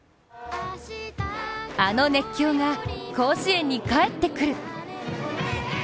あの熱狂が甲子園に帰ってくる。